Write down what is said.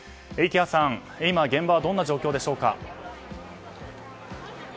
池谷さん、今、現場はどんな状況でしょうか。